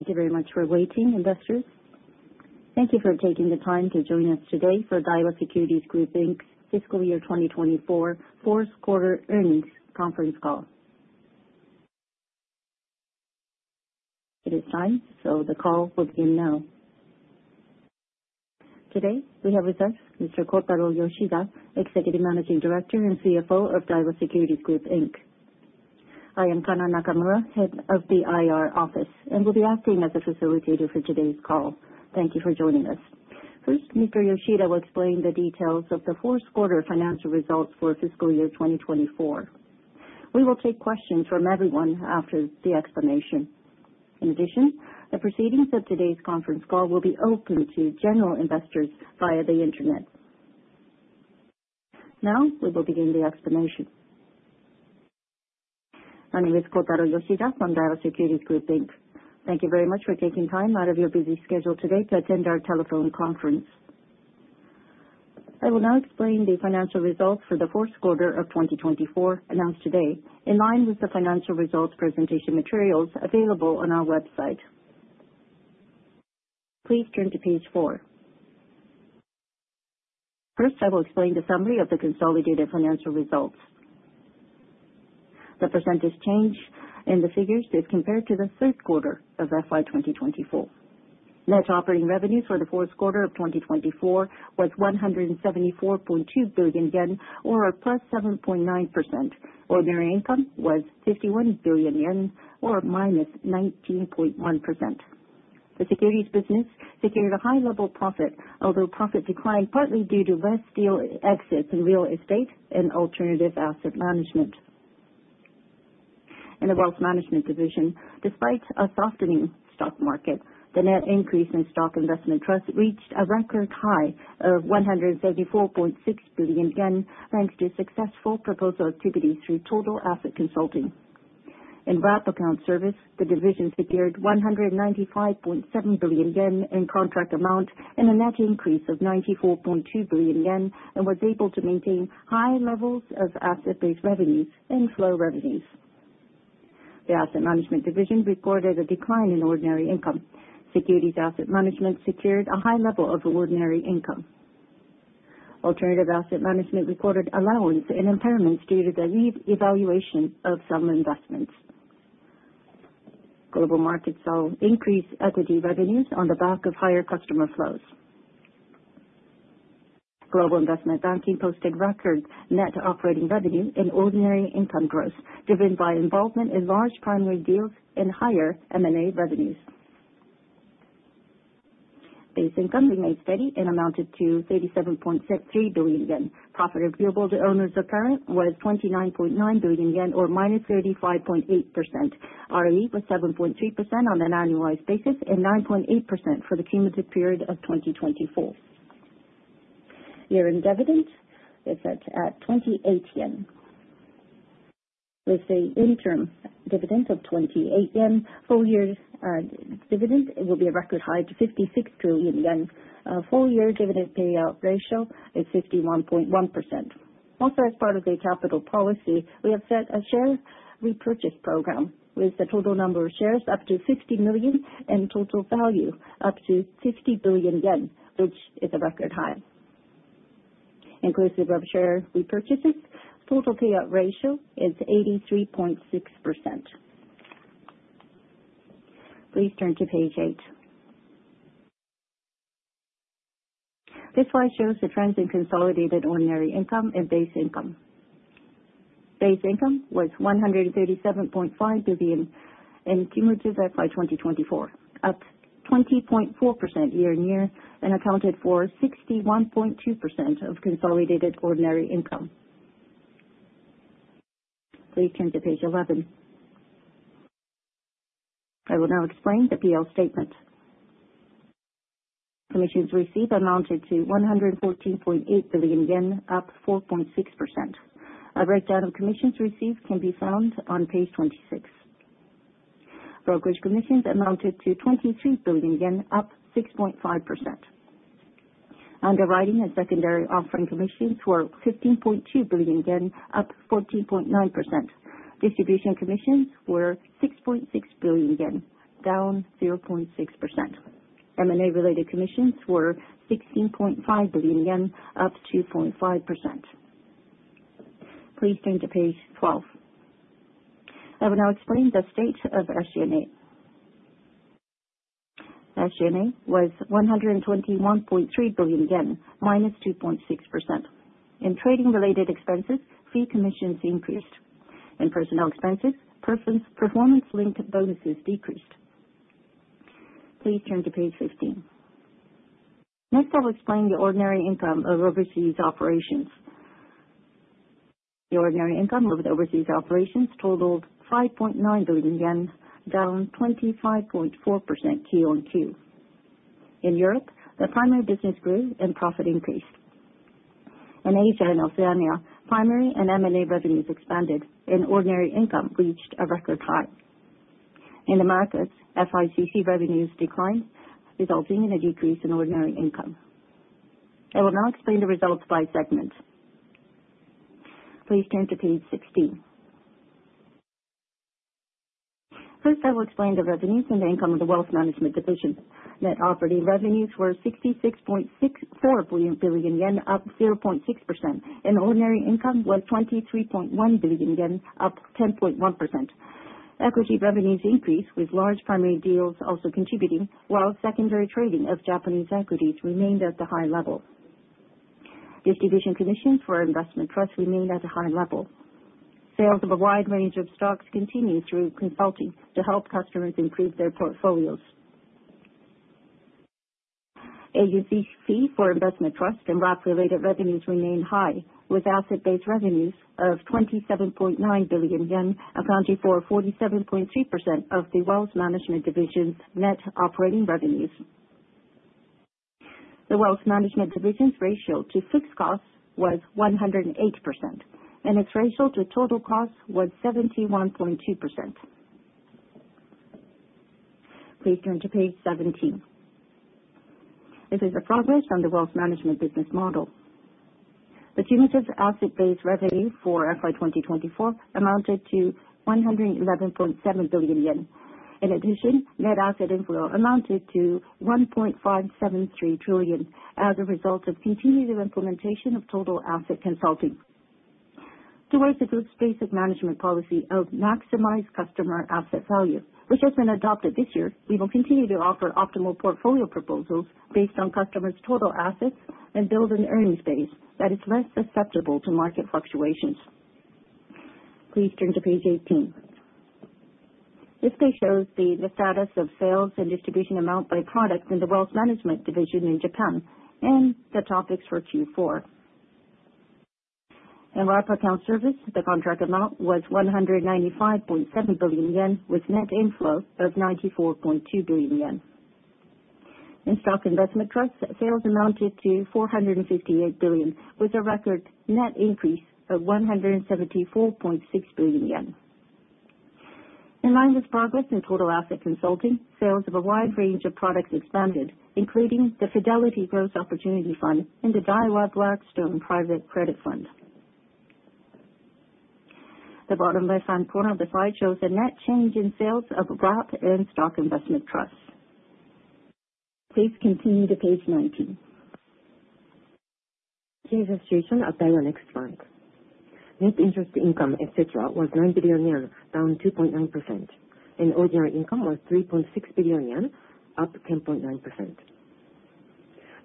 Thank you very much for waiting, investors. Thank you for taking the time to join us today for Daiwa Securities Group Inc, Fiscal Year 2024 Fourth Quarter Earnings Conference Call. It is time, so the call will begin now. Today, we have with us Mr. Kotaro Yoshida, Executive Managing Director and CFO of Daiwa Securities Group Inc. I am Kana Nakamura, Head of the IR Office, and will be acting as a facilitator for today's call. Thank you for joining us. First, Mr. Yoshida will explain the details of the fourth quarter financial results for fiscal year 2024. We will take questions from everyone after the explanation. In addition, the proceedings of today's conference call will be open to general investors via the Internet. Now, we will begin the explanation. My name is Kotaro Yoshida from Daiwa Securities Group Inc. Thank you very much for taking time out of your busy schedule today to attend our telephone conference. I will now explain the financial results for the fourth quarter of 2024 announced today in line with the financial results presentation materials available on our website. Please turn to page four. First, I will explain the summary of the consolidated financial results. The percentage change in the figures is compared to the third quarter of 2024. Net operating revenues for the fourth quarter of 2024 was 174.2 billion yen, or +7.9%. Ordinary income was 51 billion yen, or -19.1%. The securities business secured a high-level profit, although profit declined partly due to less deal exits in real estate and alternative asset management. In the Wealth Management Division, despite a softening stock market, the net increase in stock investment trust reached a record high of 174.6 billion yen thanks to successful proposal activities through total asset consulting. In wrap account service, the division secured 195.7 billion yen in contract amount and a net increase of 94.2 billion yen, and was able to maintain high levels of asset-based revenues and flow revenues. The Asset Management Division reported a decline in ordinary income. Securities Asset Management secured a high level of ordinary income. Alternative Asset Management reported allowance and impairments due to the reevaluation of some investments. Global markets saw increased equity revenues on the back of higher customer flows. Global Investment Banking posted record net operating revenue and ordinary income growth driven by involvement in large primary deals and higher M&A revenues. Base income remained steady and amounted to 37.3 billion yen. Profit agreeable to owners apparent was 29.9 billion yen, or -35.8%. ROE was 7.3% on an annualized basis and 9.8% for the cumulative period of 2024. Year-end dividend is set at 28 yen. With the interim dividend of 28 yen, full-year dividend will be a record high to 56. A full-year dividend payout ratio is 51.1%. Also, as part of the capital policy, we have set a share repurchase program with a total number of shares up to 50 million and total value up to 50 billion yen, which is a record high. Inclusive of share repurchases, total payout ratio is 83.6%. Please turn to page eight. This slide shows the trends in consolidated ordinary income and base income. Base income was 137.5 billion in cumulative FY 2024, up 20.4% year-on-year, and accounted for 61.2% of consolidated ordinary income. Please turn to page 11. I will now explain the PL statement. Commissions received amounted to 114.8 billion yen, up 4.6%. A breakdown of commissions received can be found on page 26. Brokerage commissions amounted to 23 billion yen, up 6.5%. Underwriting and secondary offering commissions were 15.2 billion yen, up 14.9%. Distribution commissions were 6.6 billion yen, down 0.6%. M&A-related commissions were 16.5 billion yen, up 2.5%. Please turn to page 12. I will now explain the state of SG&A. SG&A was JPY 121.3 billion, -2.6%. In trading-related expenses, fee commissions increased. In personnel expenses, performance-linked bonuses decreased. Please turn to page 15. Next, I will explain the ordinary income of overseas operations. The ordinary income of overseas operations totaled 5.9 billion yen, down 25.4% QOQ. In Europe, the primary business grew and profit increased. In Asia and Oceania, primary and M&A revenues expanded, and ordinary income reached a record high. In the markets, FICC revenues declined, resulting in a decrease in ordinary income. I will now explain the results by segment. Please turn to page 16. First, I will explain the revenues and the income of the Wealth Management Division. Net operating revenues were 66.64 billion yen, up 0.6%, and ordinary income was 23.1 billion yen, up 10.1%. Equity revenues increased with large primary deals also contributing, while secondary trading of Japanese equities remained at the high level. Distribution commissions for investment trust remained at a high level. Sales of a wide range of stocks continued through consulting to help customers improve their portfolios. AUC for investment trust and wrap-related revenues remained high, with asset-based revenues of 27.9 billion yen accounted for 47.3% of the Wealth Management Division's net operating revenues. The Wealth Management Division's ratio to fixed costs was 108%, and its ratio to total costs was 71.2%. Please turn to page 17. This is a progress on the Wealth Management Business Model. The cumulative asset-based revenue for FY 2024 amounted to 111.7 billion yen. In addition, net asset inflow amounted to 1.573 trillion as a result of continued implementation of Total Asset Consulting. Towards the Group's basic management policy of maximized customer asset value, which has been adopted this year, we will continue to offer optimal portfolio proposals based on customers' total assets and build an earnings base that is less susceptible to market fluctuations. Please turn to page 18. This page shows the status of sales and distribution amount by product in the Wealth Management Division in Japan and the topics for Q4. In Wrap Account Service, the contract amount was 195.7 billion yen with net inflow of 94.2 billion yen. In stock investment trust, sales amounted to 458 billion, with a record net increase of 174.6 billion yen. In line with progress in Total Asset Consulting, sales of a wide range of products expanded, including the Fidelity Growth Opportunity Fund and the Daiwa Blackstone Private Credit Fund. The bottom left-hand corner of the slide shows a net change in sales of Wrap and stock investment trusts. Please continue to page 19. This is a description of Daiwa Next Bank. Net interest income, etc., was 9 billion yen, down 2.9%, and ordinary income was 3.6 billion yen, up 10.9%.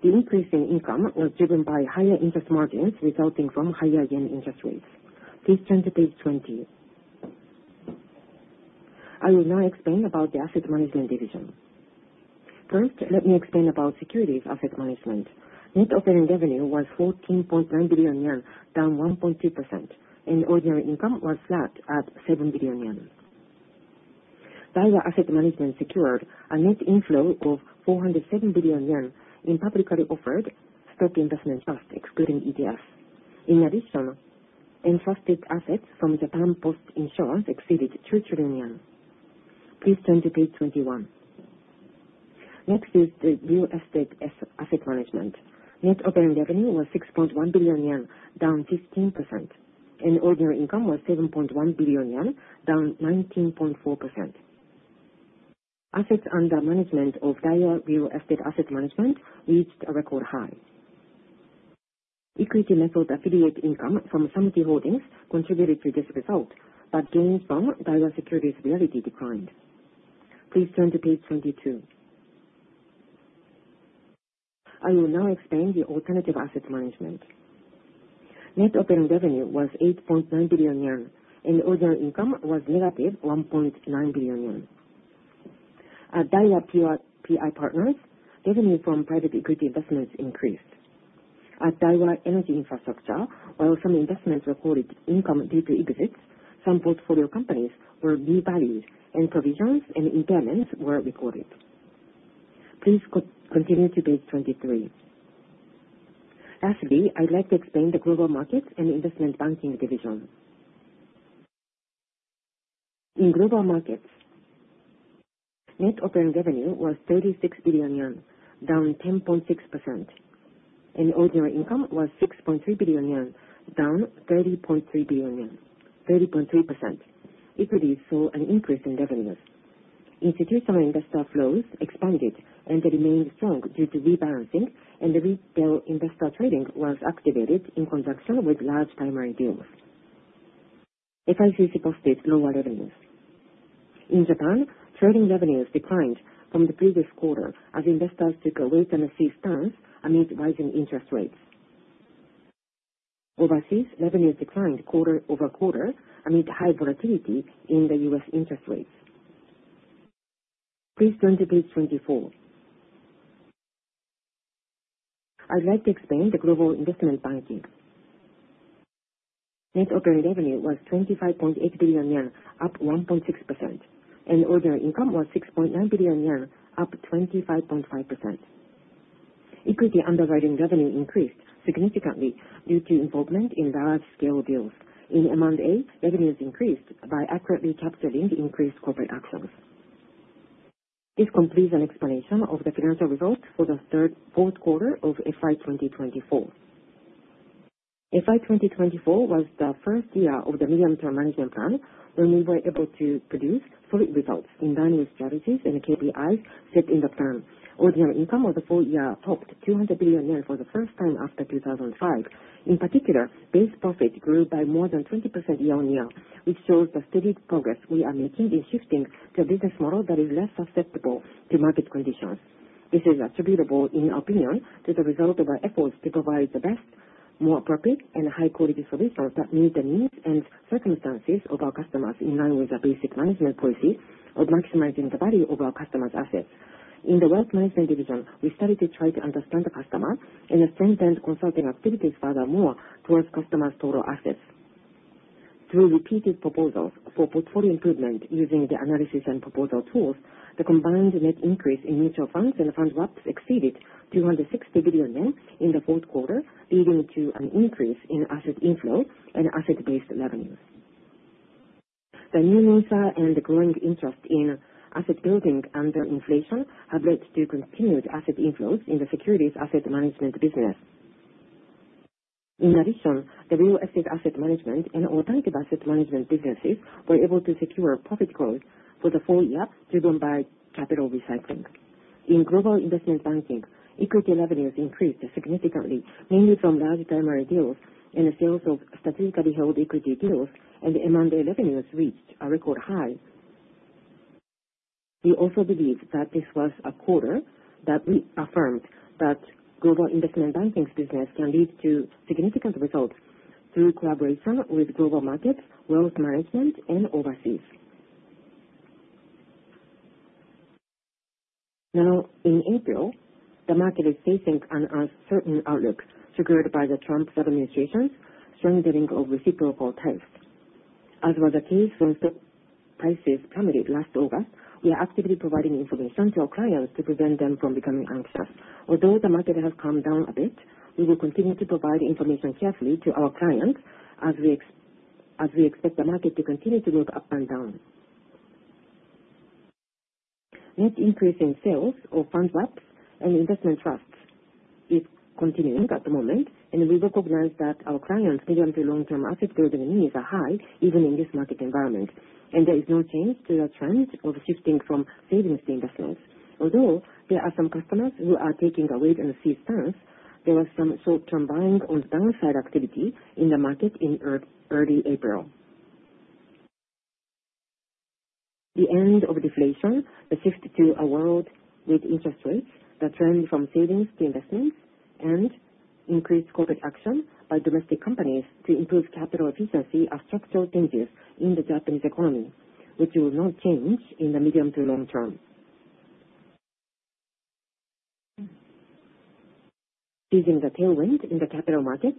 The increase in income was driven by higher interest margins resulting from higher yen interest rates. Please turn to page 20. I will now explain about the Asset Management Division. First, let me explain about Securities Asset Management. Net operating revenue was 14.9 billion yen, down 1.2%, and ordinary income was flat at 7 billion yen. Daiwa Asset Management secured a net inflow of 407 billion yen in publicly offered stock investment trusts, excluding ETFs. In addition, entrusted assets from Japan Post Insurance exceeded 2 trillion yen. Please turn to page 21. Next is the Real Estate Asset Management. Net operating revenue was 6.1 billion yen, down 15%, and ordinary income was 7.1 billion yen, down 19.4%. Assets under management of Daiwa Real Estate Asset Management reached a record high. Equity-method affiliate income from Summit Holdings contributed to this result, but gains from Daiwa Securities realty declined. Please turn to page 22. I will now explain the Alternative Asset Management. Net operating revenue was 8.9 billion yen, and ordinary income was negative 1.9 billion yen. At Daiwa PI Partners, revenue from private equity investments increased. At Daiwa Energy Infrastructure, while some investments recorded income due to exits, some portfolio companies were devalued, and provisions and impairments were recorded. Please continue to page 23. Lastly, I'd like to explain the Global Markets and Investment Banking Division. In Global Markets, net operating revenue was 36 billion yen, down 10.6%, and ordinary income was 6.3 billion yen, down 30.3 billion yen, 30.3%. Equities saw an increase in revenues. Institutional investor flows expanded and remained strong due to rebalancing, and retail investor trading was activated in conjunction with large primary deals. FICC posted lower revenues. In Japan, trading revenues declined from the previous quarter as investors took a wait-and-see stance amid rising interest rates. Overseas, revenues declined quarter over quarter amid high volatility in the U.S. interest rates. Please turn to page 24. I'd like to explain the Global Investment Banking. Net operating revenue was 25.8 billion yen, up 1.6%, and ordinary income was 6.9 billion yen, up 25.5%. Equity underwriting revenue increased significantly due to involvement in large-scale deals. In M&A, revenues increased by accurately capturing increased corporate actions. This completes an explanation of the financial results for the third quarter of FY 2024. FY 2024 was the first year of the medium-term management plan when we were able to produce solid results in value strategies and KPIs set in the plan. Ordinary income of the full year topped 200 billion yen for the first time after 2005. In particular, base profit grew by more than 20% year-on-year, which shows the steady progress we are making in shifting to a business model that is less susceptible to market conditions. This is attributable, in our opinion, to the result of our efforts to provide the best, more appropriate, and high-quality solutions that meet the needs and circumstances of our customers in line with the basic management policy of maximizing the value of our customers' assets. In the Wealth Management Division, we studied to try to understand the customer and strengthened consulting activities furthermore towards customers' total assets. Through repeated proposals for portfolio improvement using the analysis and proposal tools, the combined net increase in mutual funds and fund swaps exceeded 260 billion yen in the fourth quarter, leading to an increase in asset inflow and asset-based revenues. The new NISA and the growing interest in asset building under inflation have led to continued asset inflows in the Securities Asset Management business. In addition, the Real Estate Asset Management and Alternative Asset Management businesses were able to secure profit growth for the full year driven by capital recycling. In Global Investment Banking, equity revenues increased significantly, mainly from large primary deals and sales of statistically held equity deals, and the M&A revenues reached a record high. We also believe that this was a quarter that reaffirmed that Global Investment Banking's business can lead to significant results through collaboration with Global Markets, Wealth Management, and overseas. Now, in April, the market is facing an uncertain outlook triggered by the Trump administration's strengthening of reciprocal tariffs. As was the case when stock prices plummeted last August, we are actively providing information to our clients to prevent them from becoming anxious. Although the market has come down a bit, we will continue to provide information carefully to our clients as we expect the market to continue to move up and down. Net increase in sales of fund swaps and investment trusts is continuing at the moment, and we recognize that our clients' medium to long-term asset building needs are high even in this market environment, and there is no change to the trend of shifting from savings to investments. Although there are some customers who are taking a wait-and-see stance, there was some short-term buying on the downside activity in the market in early April. The end of deflation, the shift to a world with interest rates, the trend from savings to investments, and increased corporate action by domestic companies to improve capital efficiency are structural changes in the Japanese economy, which will not change in the medium to long term. Seizing the tailwind in the capital market,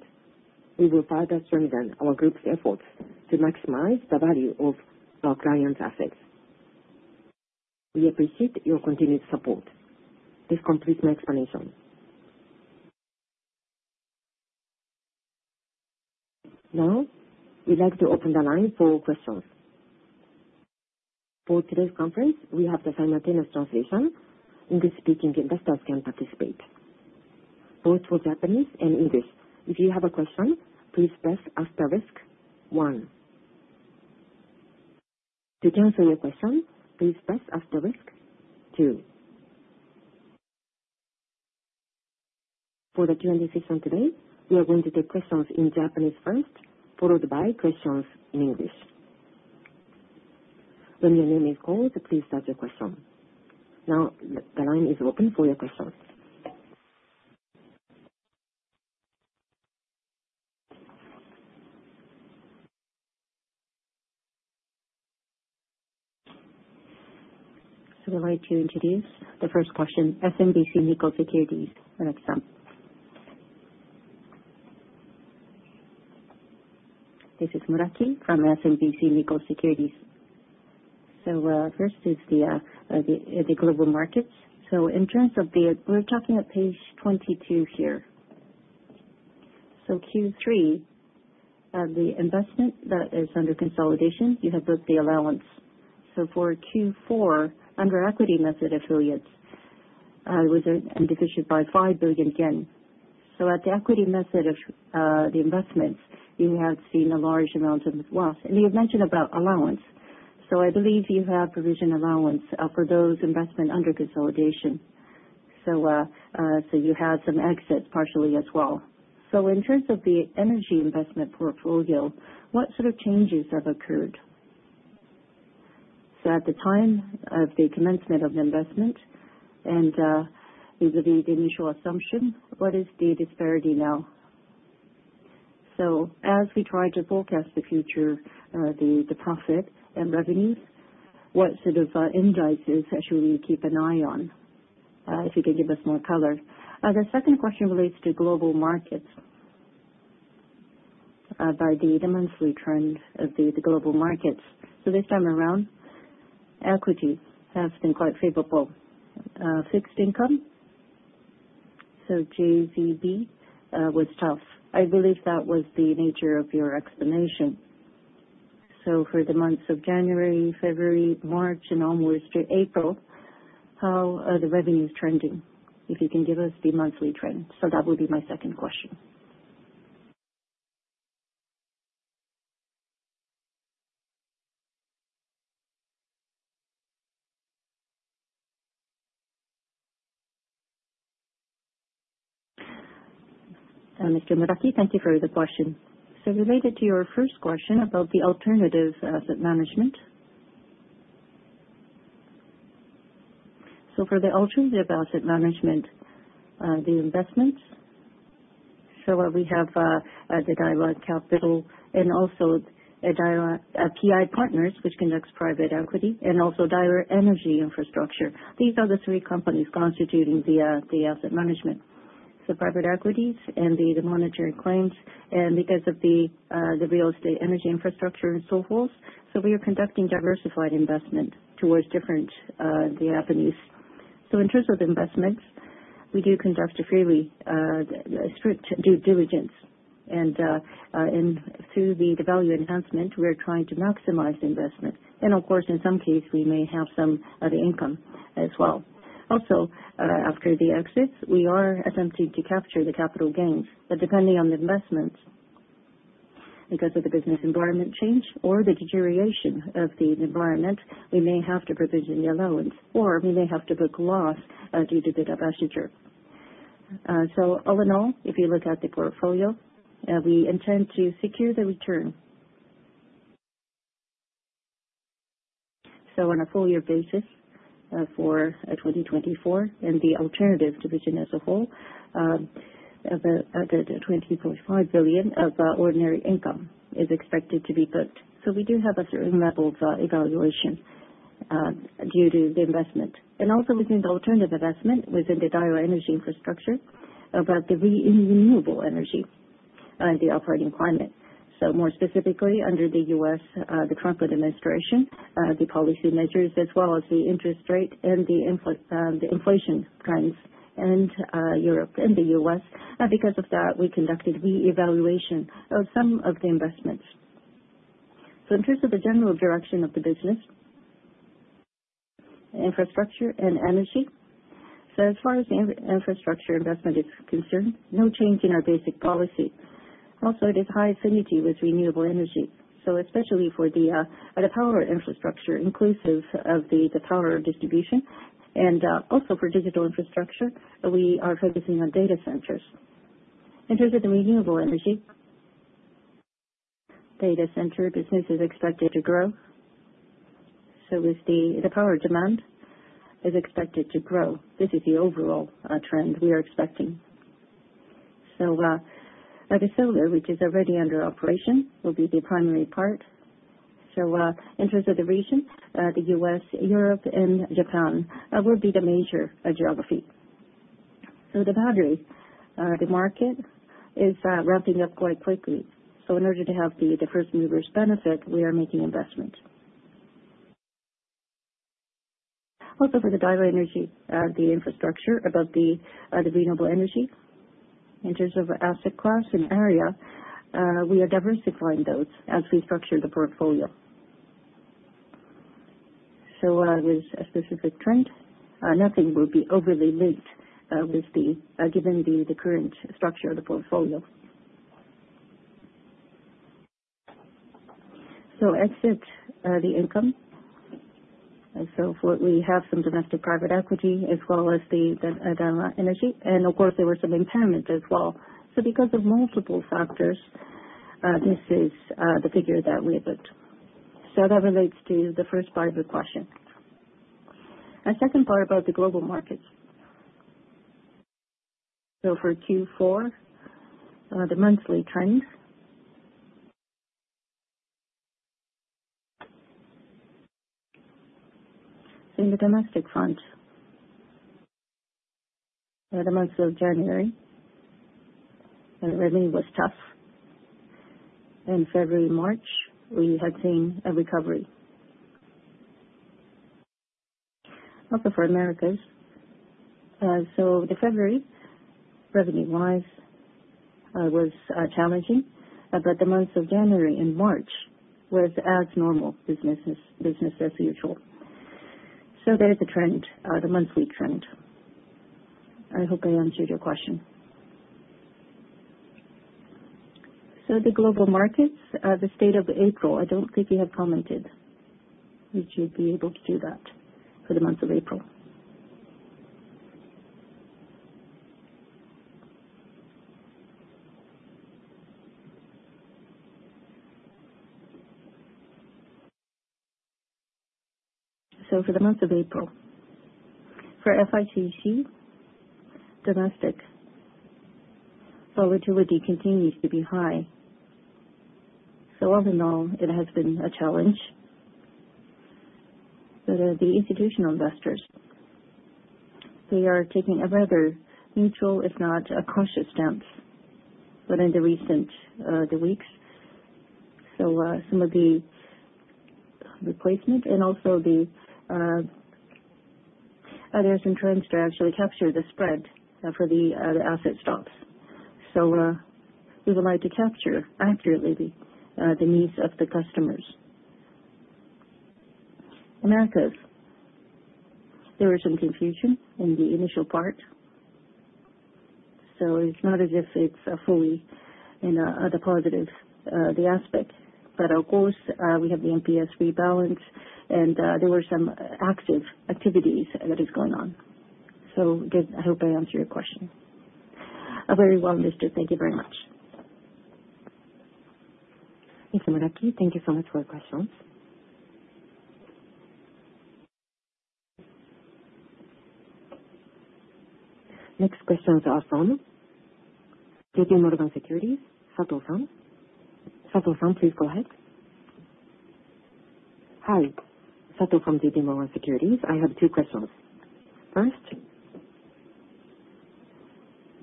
we will further strengthen our Group's efforts to maximize the value of our clients' assets. We appreciate your continued support. This completes my explanation. Now, we'd like to open the line for questions. For today's conference, we have the simultaneous translation. English-speaking investors can participate. Both for Japanese and English, if you have a question, please press asterisk one. To cancel your question, please press asterisk two. For the Q&A session today, we are going to take questions in Japanese first, followed by questions in English. When your name is called, please start your question. Now, the line is open for your questions. I'd like to introduce the first question, SMBC Nikko Securities. This is Muraki from SMBC Nikko Securities. First is the Global Markets. In terms of the we're talking at page 22 here. Q3, the investment that is under consolidation, you have booked the allowance. For Q4, under equity-method affiliates, it was an addition by 5 billion yen. At the equity-method investments, you have seen a large amount of loss. You have mentioned about allowance. I believe you have provision allowance for those investments under consolidation. You had some exits partially as well. In terms of the energy investment portfolio, what sort of changes have occurred? At the time of the commencement of the investment and the initial assumption, what is the disparity now? As we try to forecast the future, the profit and revenues, what sort of indices should we keep an eye on if you can give us more color? The second question relates to Global Markets by the monthly trend of the Global Markets. This time around, equity has been quite favorable. Fixed income, so JVB, was tough. I believe that was the nature of your explanation. For the months of January, February, March, and almost April, how are the revenues trending if you can give us the monthly trend? That would be my second question. Thank you, Muraki. Thank you for the question. Related to your first question about the alternative asset management, for the alternative asset management, the investments, we have Daiwa Capital and also PI Partners, which conducts private equity, and also Daiwa Energy Infrastructure. These are the three companies constituting the asset management. Private equities and the monetary claims and because of the real estate energy infrastructure and so forth, we are conducting diversified investment towards different Japanese. In terms of investments, we do conduct fairly strict due diligence, and through the value enhancement, we're trying to maximize investment. Of course, in some cases, we may have some other income as well. Also, after the exits, we are attempting to capture the capital gains. Depending on the investments, because of the business environment change or the deterioration of the environment, we may have to provision the allowance, or we may have to book loss due to the departure. All in all, if you look at the portfolio, we intend to secure the return. On a full-year basis for 2024, and the alternative division as a whole, 20.5 billion of ordinary income is expected to be booked. We do have a certain level of evaluation due to the investment. Also within the alternative investment, within Daiwa Energy Infrastructure, about the renewable energy and the operating climate. More specifically, under the U.S., the Trump administration, the policy measures, as well as the interest rate and the inflation trends in Europe and the U.S., because of that, we conducted re-evaluation of some of the investments. In terms of the general direction of the business, infrastructure and energy, as far as the infrastructure investment is concerned, no change in our basic policy. Also, it is high affinity with renewable energy, so especially for the power infrastructure, inclusive of the power distribution, and also for digital infrastructure, we are focusing on data centers. In terms of the renewable energy, data center business is expected to grow. The power demand is expected to grow. This is the overall trend we are expecting. The solar, which is already under operation, will be the primary part. In terms of the region, the US, Europe, and Japan will be the major geography. The battery market is ramping up quite quickly. In order to have the first-mover's benefit, we are making investments. Also for Daiwa Energy Infrastructure, about the renewable energy, in terms of asset class and area, we are diversifying those as we structure the portfolio. With a specific trend, nothing will be overly linked given the current structure of the portfolio. Exit the income. We have some domestic private equity as well as Daiwa Energy, and of course, there were some impairments as well. Because of multiple factors, this is the figure that we have booked. That relates to the first part of the question. The second part is about the Global Markets. For Q4, the monthly trend. In the domestic fund, the month of January, the revenue was tough. In February, March, we had seen a recovery. Also for Americas, the February revenue-wise was challenging, but the months of January and March were normal business as usual. There is a trend, the monthly trend. I hope I answered your question. The Global Markets, the state of April, I do not think you have commented. We should be able to do that for the month of April. For the month of April, for FICC, domestic volatility continues to be high. All in all, it has been a challenge. The institutional investors, they are taking a rather neutral, if not a cautious stance within the recent weeks. Some of the replacement and also there are some trends to actually capture the spread for the asset stocks. We would like to capture accurately the needs of the customers. Americas, there was some confusion in the initial part. It is not as if it is fully in a positive aspect. Of course, we have the MPS rebalance, and there were some active activities that are going on. I hope I answered your question. Very well, Mr. Thank you very much. Thank you, Muraki. Thank you so much for your questions. Next question is from J.P. Morgan Securities, Satou Fung. Please go ahead. Hi. Satou Fung from J.P. Morgan Securities. I have two questions. First,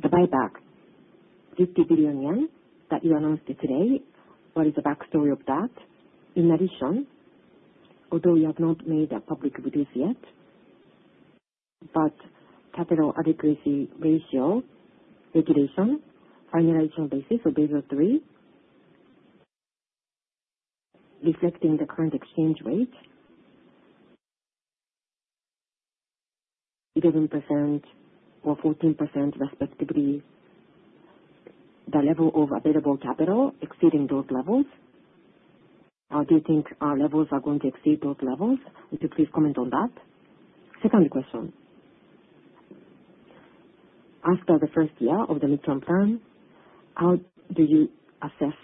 the buyback, 50 billion yen that you announced today, what is the backstory of that? In addition, although you have not made a public release yet, but capital adequacy ratio regulation, finalization basis of base of three, reflecting the current exchange rate, 11% or 14% respectively, the level of available capital exceeding those levels. Do you think our levels are going to exceed those levels? Would you please comment on that? Second question. After the first year of the midterm plan, how do you assess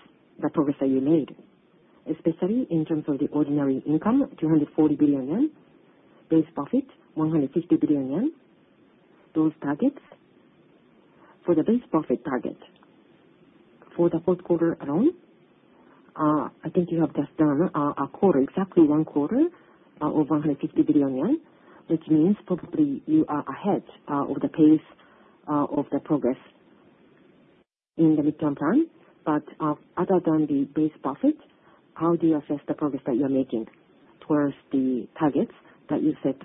the progress that you made, especially in terms of the ordinary income, 240 billion yen, base profit, 150 billion yen, those targets? For the base profit target, for the fourth quarter alone, I think you have just done a quarter, exactly one quarter of 150 billion yen, which means probably you are ahead of the pace of the progress in the midterm plan. Other than the base profit, how do you assess the progress that you're making towards the targets that you set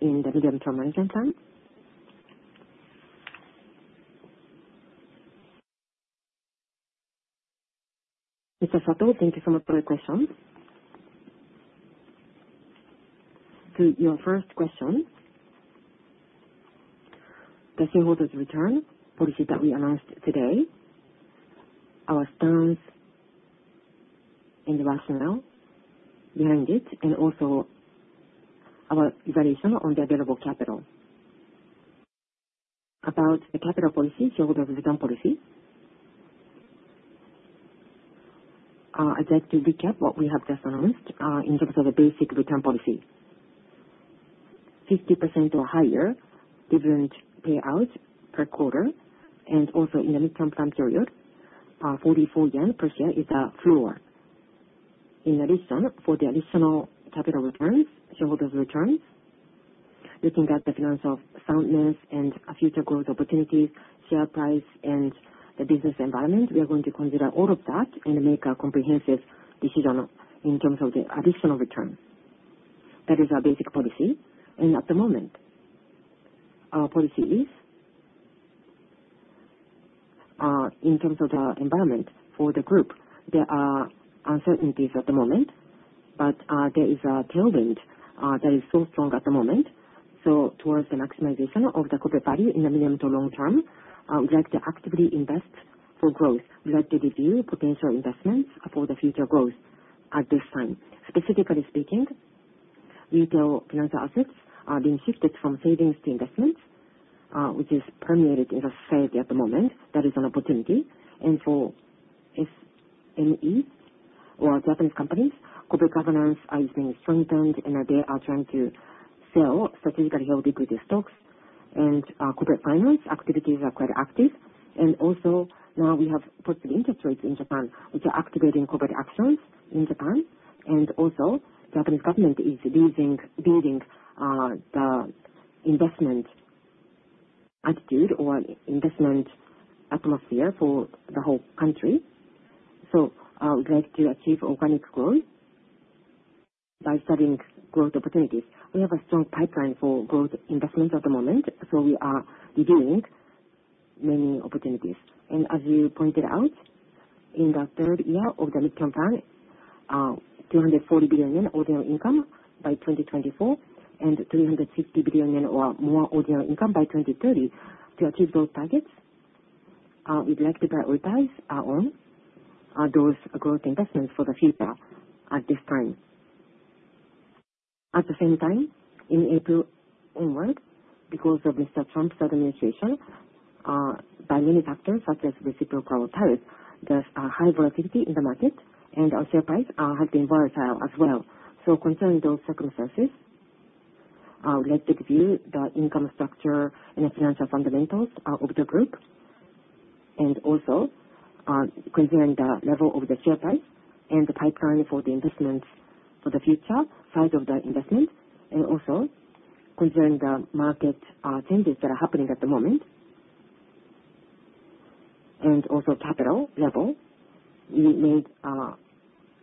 in the medium-term management plan? Mr. Satou, thank you so much for your question. To your first question, the shareholders' return policy that we announced today, our stance and the rationale behind it, and also our evaluation on the available capital. About the capital policy, shareholders' return policy, I'd like to recap what we have just announced in terms of the basic return policy. 50% or higher dividend payout per quarter, and also in the medium-term plan period, 44 yen per share is a floor. In addition, for the additional capital returns, shareholders' returns, looking at the finance of soundness and future growth opportunities, share price, and the business environment, we are going to consider all of that and make a comprehensive decision in terms of the additional return. That is our basic policy. At the moment, our policy is in terms of the environment for the group. There are uncertainties at the moment, but there is a tailwind that is so strong at the moment. Towards the maximization of the corporate value in the medium to long term, we would like to actively invest for growth. We would like to review potential investments for the future growth at this time. Specifically speaking, retail financial assets are being shifted from savings to investments, which is permeated in the Fed at the moment. That is an opportunity. For SMEs or Japanese companies, corporate governance is being strengthened, and they are trying to sell strategically healthy stocks. Corporate finance activities are quite active. Now we have positive interest rates in Japan, which are activating corporate actions in Japan. The Japanese government is building the investment attitude or investment atmosphere for the whole country. We would like to achieve organic growth by studying growth opportunities. We have a strong pipeline for growth investments at the moment, so we are reviewing many opportunities. As you pointed out, in the third year of the medium-term management plan, 240 billion yen ordinary income by 2024, and 350 billion yen or more ordinary income by 2030. To achieve those targets, we would like to prioritize our own growth investments for the future at this time. At the same time, in April onward, because of Mr. Trump's administration, by many factors such as reciprocal tariffs, the high volatility in the market and share price have been volatile as well. Considering those circumstances, I would like to review the income structure and the financial fundamentals of the group, and also considering the level of the share price and the pipeline for the investments for the future, size of the investments, and also considering the market changes that are happening at the moment, and also capital level. We made a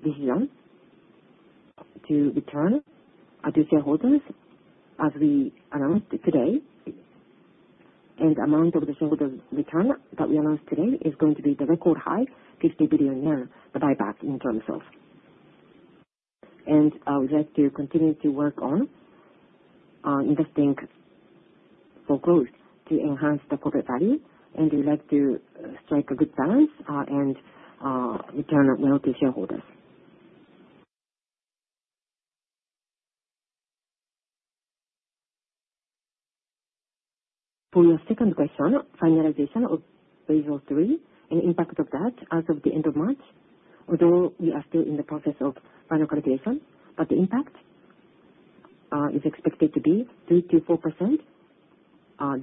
decision to return to shareholders as we announced today. The amount of the shareholders' return that we announced today is going to be the record high, 50 billion yen, the buyback in terms of. I would like to continue to work on investing for growth to enhance the corporate value. We would like to strike a good balance and return well to shareholders. For your second question, finalization of base of three and the impact of that as of the end of March, although we are still in the process of final calculation, the impact is expected to be 3%-4%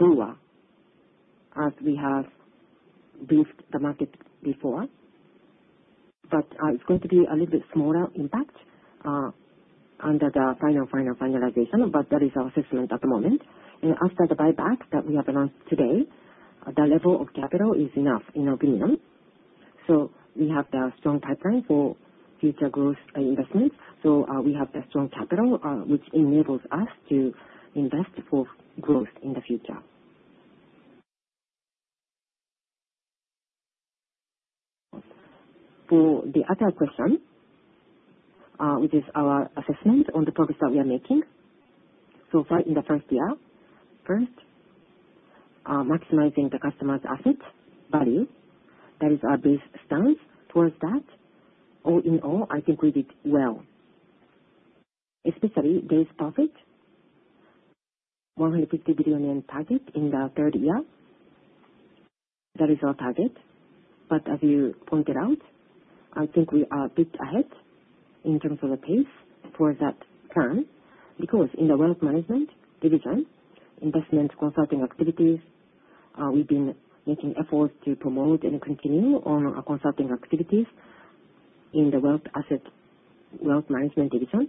lower as we have briefed the market before. It is going to be a little bit smaller impact under the final, final, finalization, but that is our assessment at the moment. After the buyback that we have announced today, the level of capital is enough in our opinion. We have the strong pipeline for future growth investments. We have the strong capital, which enables us to invest for growth in the future. For the other question, which is our assessment on the progress that we are making so far in the first year, first, maximizing the customer's asset value. That is our base stance towards that. All in all, I think we did well, especially base profit, 150 billion yen target in the third year. That is our target. As you pointed out, I think we are a bit ahead in terms of the pace towards that plan because in the Wealth Management Division, investment consulting activities, we've been making efforts to promote and continue on our consulting activities in the Wealth Management Division.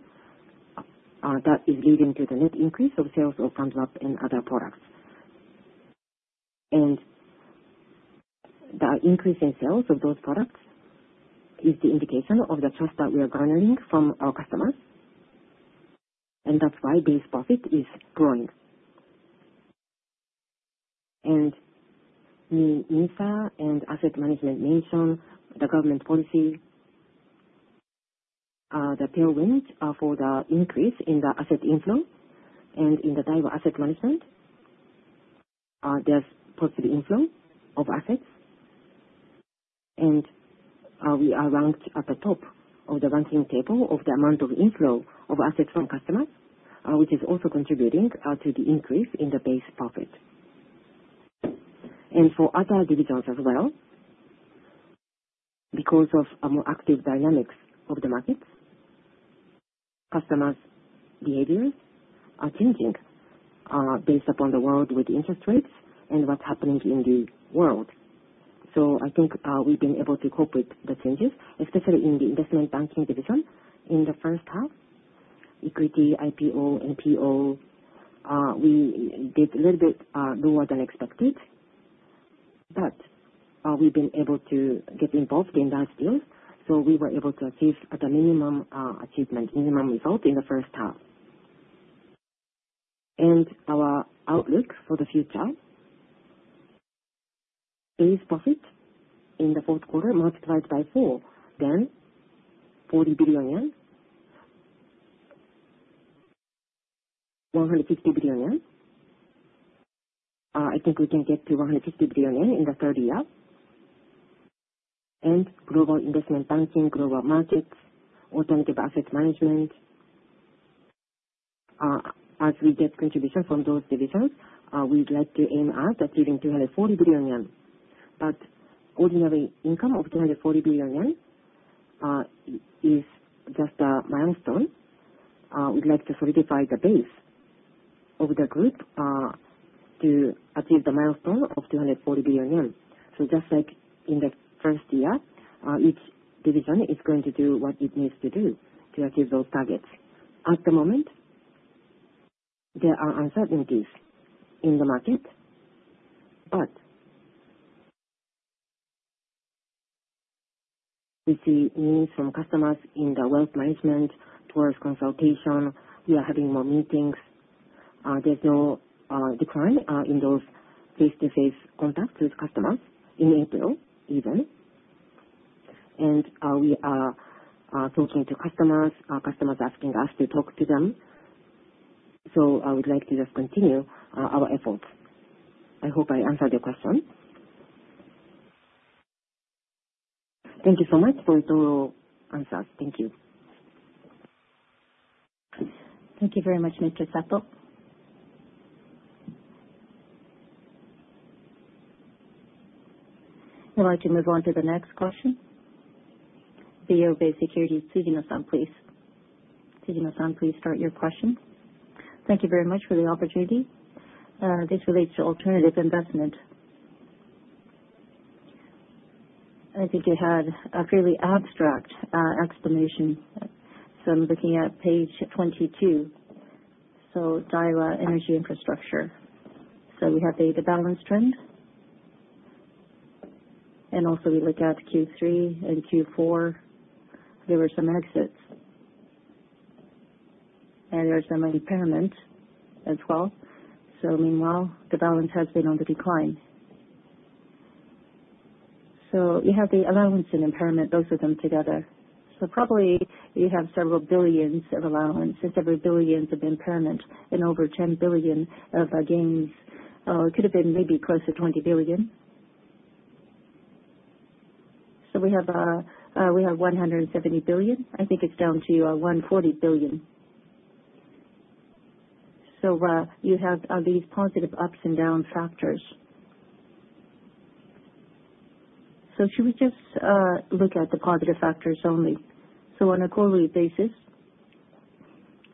That is leading to the net increase of sales of envelopes and other products. The increase in sales of those products is the indication of the trust that we are garnering from our customers. That is why base profit is growing. M&A and asset management mentioned the government policy, the tailwind for the increase in the asset inflow. In Daiwa Asset Management, there is positive inflow of assets. We are ranked at the top of the ranking table of the amount of inflow of assets from customers, which is also contributing to the increase in the base profit. For other divisions as well, because of more active dynamics of the markets, customers' behaviors are changing based upon the world with interest rates and what is happening in the world. I think we have been able to cope with the changes, especially in the investment banking division. In the first half, equity, IPO, and PO, we did a little bit lower than expected. We have been able to get involved in those deals. We were able to achieve at a minimum achievement, minimum result in the first half. Our outlook for the future, base profit in the fourth quarter multiplied by four, then 40 billion yen, 150 billion yen. I think we can get to 150 billion yen in the third year. Global investment banking, global markets, alternative asset management. As we get contributions from those divisions, we'd like to aim at achieving 240 billion yen. Ordinary income of 240 billion yen is just a milestone. We'd like to solidify the base of the group to achieve the milestone of 240 billion yen. Just like in the first year, each division is going to do what it needs to do to achieve those targets. At the moment, there are uncertainties in the market. We see needs from customers in the wealth management towards consultation. We are having more meetings. There's no decline in those face-to-face contacts with customers in April even. We are talking to customers. Customers are asking us to talk to them. I would like to just continue our efforts. I hope I answered your question. Thank you so much for your thorough answers. Thank you. Thank you very much, Mr. Satou. I'd like to move on to the next question. BofA Securities, Tsujino-san, please. Tsujino-san, please start your question. Thank you very much for the opportunity. This relates to alternative investment. I think you had a fairly abstract explanation. I am looking at page 22. Daiwa Energy Infrastructure. We have the balance trend. Also, we look at Q3 and Q4. There were some exits. There is some impairment as well. Meanwhile, the balance has been on the decline. We have the allowance and impairment, both of them together. Probably you have several billions of allowances, several billions of impairment, and over 10 billion of gains. It could have been maybe close to 20 billion. We have 170 billion. I think it's down to 140 billion. You have these positive ups and down factors. Should we just look at the positive factors only? On a quarterly basis,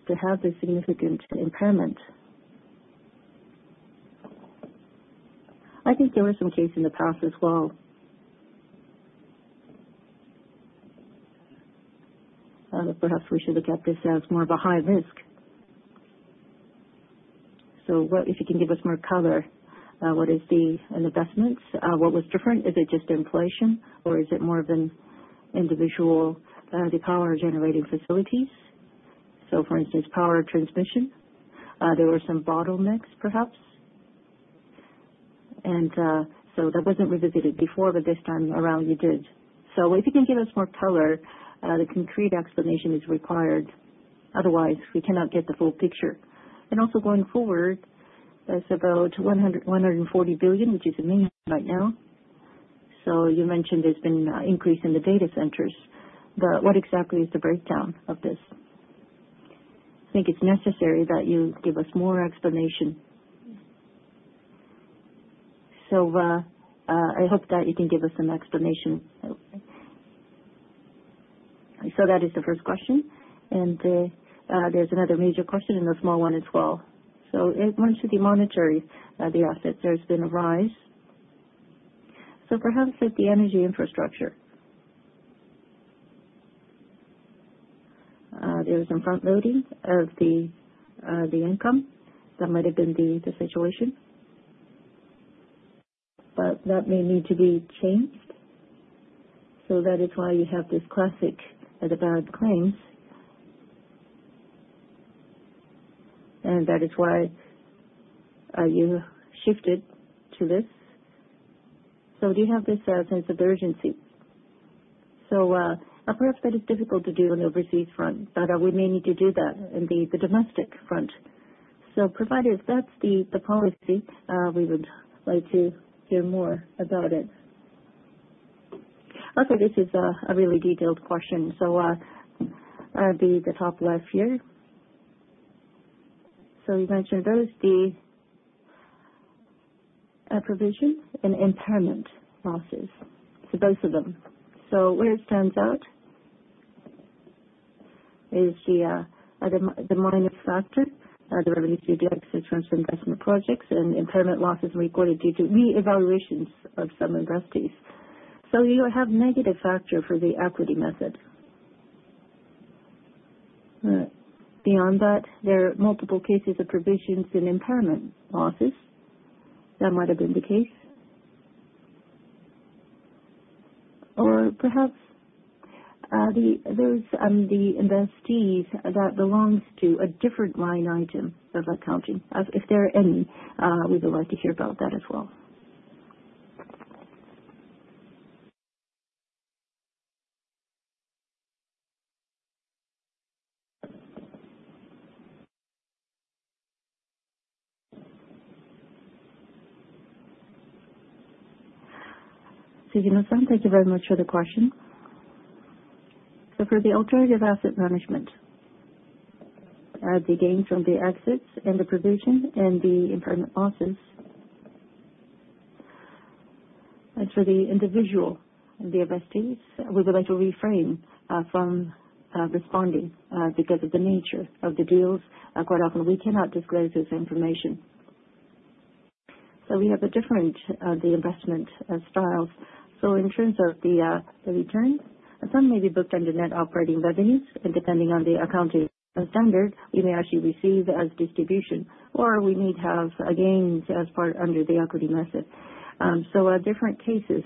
to have this significant impairment, I think there was some case in the past as well. Perhaps we should look at this as more of a high risk. If you can give us more color, what is the investments? What was different? Is it just inflation, or is it more of an individual power-generating facilities? For instance, power transmission. There were some bottlenecks, perhaps. That was not revisited before, but this time around, you did. If you can give us more color, the concrete explanation is required. Otherwise, we cannot get the full picture. Also, going forward, there's about 140 billion, which is a million right now. You mentioned there's been an increase in the data centers. What exactly is the breakdown of this? I think it's necessary that you give us more explanation. I hope that you can give us some explanation. That is the first question. There's another major question and a small one as well. It runs to the monetary assets. There's been a rise. Perhaps at the energy infrastructure, there was some front-loading of the income. That might have been the situation. That may need to be changed. That is why you have this classic of the bad claims. That is why you shifted to this. Do you have this sense of urgency? Perhaps that is difficult to do on the overseas front. We may need to do that in the domestic front. Provided that is the policy, we would like to hear more about it. Okay, this is a really detailed question. The top left here. You mentioned both the provision and impairment losses, so both of them. Where it stands out is the minus factor, the revenue due to excess from some investment projects and impairment losses reported due to re-evaluations of some investees. You have a negative factor for the equity method. Beyond that, there are multiple cases of provisions and impairment losses. That might have been the case, or perhaps those on the investees that belong to a different line item of accounting. If there are any, we would like to hear about that as well. Tsujino-san, thank you very much for the question. For the alternative asset management, the gains from the exits and the provision and the impairment losses. For the individual investees, we would like to refrain from responding because of the nature of the deals. Quite often, we cannot disclose this information. We have different investment styles. In terms of the return, some may be booked under net operating revenues. Depending on the accounting standard, we may actually receive as distribution, or we may have gains as part under the equity method. Different cases.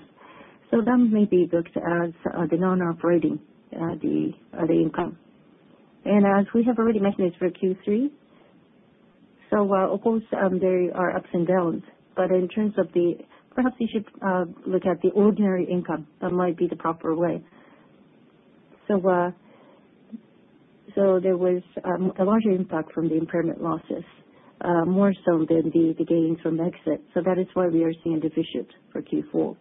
Some may be booked as the non-operating income. As we have already mentioned, it is for Q3. Of course, there are ups and downs. In terms of the, perhaps you should look at the ordinary income. That might be the proper way. There was a larger impact from the impairment losses, more so than the gains from exits. That is why we are seeing a deficient for Q4.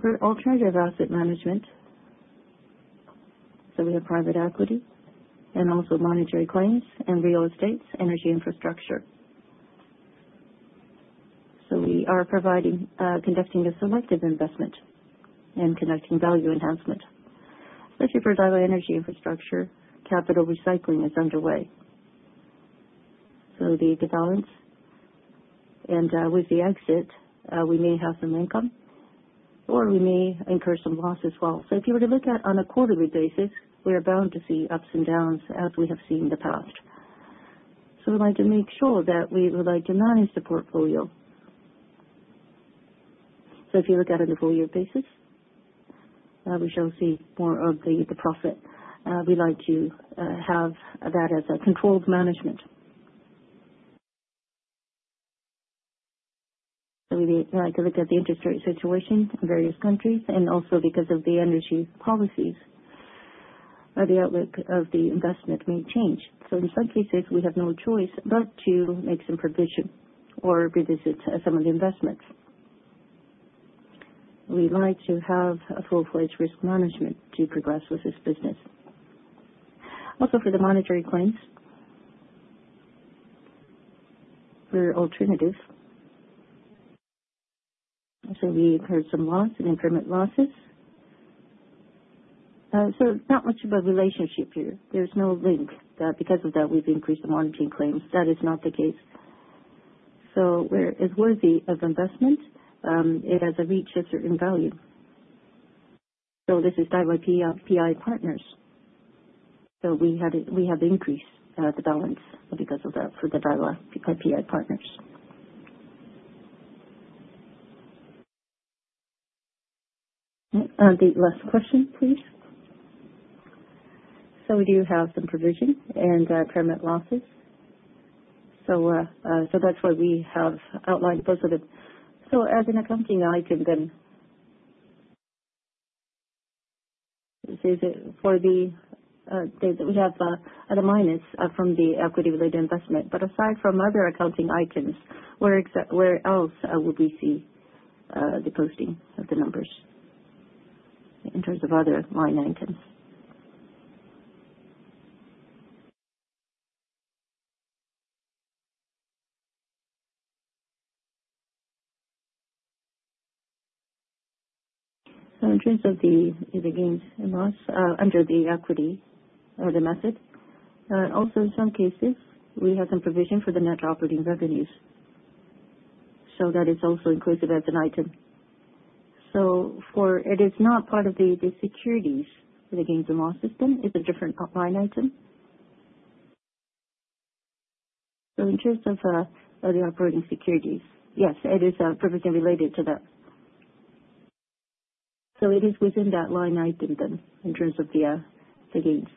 For Alternative Asset Management, we have private equity and also monetary claims and real estate, energy infrastructure. We are conducting a selective investment and conducting value enhancement. Especially for Daiwa Energy Infrastructure, capital recycling is underway. The balance, and with the exit, we may have some income. Or we may incur some losses as well. If you were to look at on a quarterly basis, we are bound to see ups and downs as we have seen in the past. We would like to make sure that we would like to manage the portfolio. If you look at on the four-year basis, we shall see more of the profit. We would like to have that as a controlled management. We would like to look at the interest rate situation in various countries. Also because of the energy policies, the outlook of the investment may change. In some cases, we have no choice but to make some provision or revisit some of the investments. We'd like to have a full-fledged risk management to progress with this business. Also for the monetary claims, there are alternatives. We incurred some loss and impairment losses. Not much of a relationship here. There's no link that because of that we've increased the monetary claims. That is not the case. Where it's worthy of investment, it has a reach of certain value. This is Daiwa PI Partners. We have increased the balance because of that for Daiwa PI Partners. The last question, please. We do have some provision and impairment losses. That's why we have outlined both of them. As an accounting item then, we have a minus from the equity-related investment. Aside from other accounting items, where else would we see the posting of the numbers in terms of other line items? In terms of the gains and loss under the equity method, also in some cases, we have some provision for the net operating revenues. That is also inclusive as an item. It is not part of the securities for the gains and loss system. It is a different line item. In terms of the operating securities, yes, it is provisionally related to that. It is within that line item then in terms of the gains.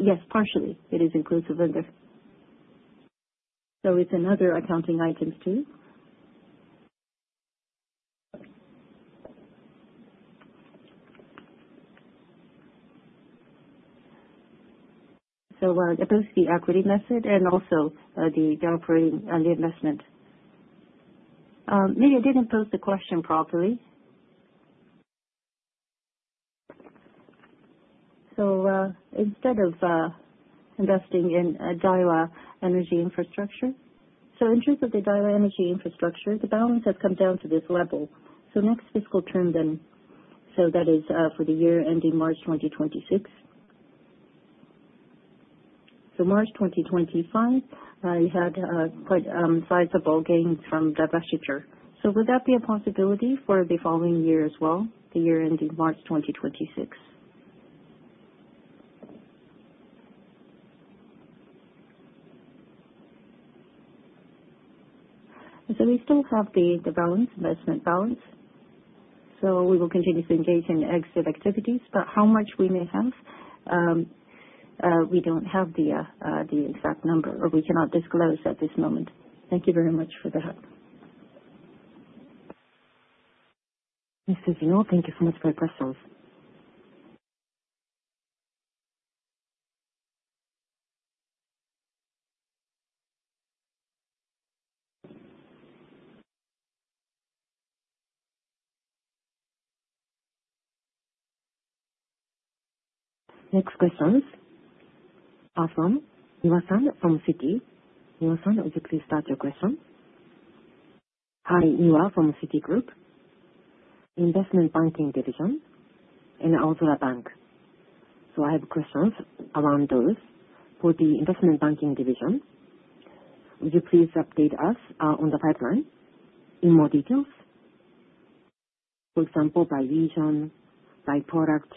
Yes, partially, it is inclusive in there. It is another accounting item too. Both the equity method and also the operating investment. Maybe I did not pose the question properly. Instead of investing in Daiwa Energy Infrastructure, in terms of the Daiwa Energy Infrastructure, the balance has come down to this level. Next fiscal term then, that is for the year ending March 2026. March 2025, we had quite sizable gains from that resiture. Would that be a possibility for the following year as well, the year ending March 2026? We still have the balance, investment balance. We will continue to engage in exit activities. How much we may have, we do not have the exact number. Or we cannot disclose at this moment. Thank you very much for that. Ms. Tsujino, thank you so much for your questions. Next questions. Awesome. Yua-san from Citi. Yua-san, would you please start your question? Hi, Yua from Citigroup. Investment banking division and Aozora Bank. I have questions around those. For the investment banking division, would you please update us on the pipeline in more details? For example, by region, by product,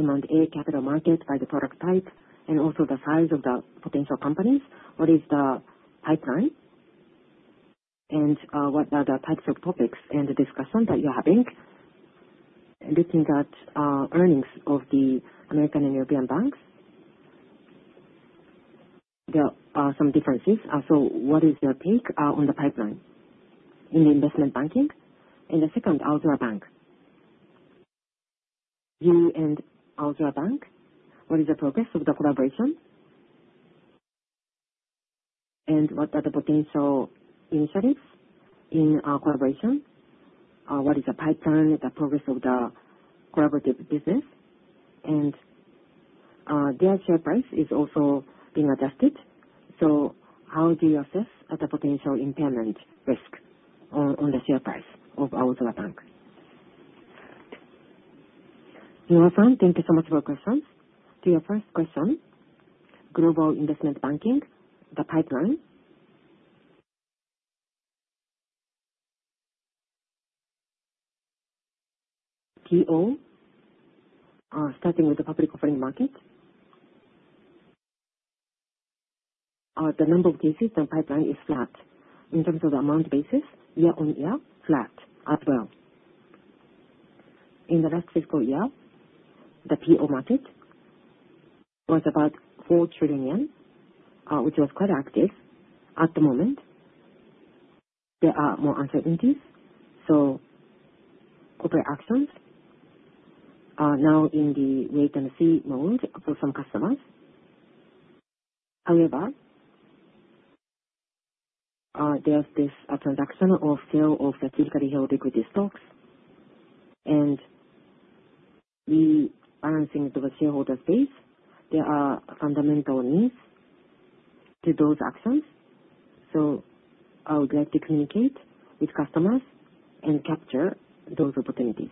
amount, capital market, by the product type, and also the size of the potential companies. What is the pipeline? What are the types of topics and discussions that you're having? Looking at earnings of the American and European banks, there are some differences. What is your take on the pipeline in the investment banking? The second, Aozora Bank. You and Aozora Bank, what is the progress of the collaboration? What are the potential initiatives in collaboration? What is the pipeline, the progress of the collaborative business? Their share price is also being adjusted. How do you assess the potential impairment risk on the share price of Aozora Bank? Yua-san, thank you so much for your questions. To your first question, global investment banking, the pipeline. PO, starting with the public offering market. The number of cases and pipeline is flat. In terms of the amount basis, year on year, flat as well. In the last fiscal year, the PO market was about 4 trillion yen, which was quite active at the moment. There are more uncertainties. Corporate actions are now in the wait-and-see mode for some customers. However, there is this transactional or sale of typically held equity stocks. We are seeing the shareholder space. There are fundamental needs to those actions. I would like to communicate with customers and capture those opportunities.